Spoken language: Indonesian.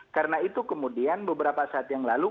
karena itu kemudian beberapa saat yang lalu